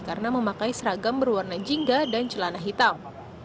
karena memakai seragam berwarna jingga dan celana hitam